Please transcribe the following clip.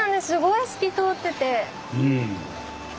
すごい透き通ってて。